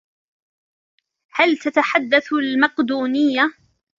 هل تتحدث المقدونية؟